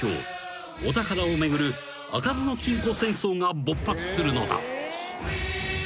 ［お宝を巡る開かずの金庫戦争が勃発するのだ］